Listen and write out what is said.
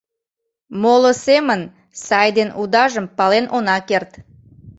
Моло семын сай ден удажым пален она керт.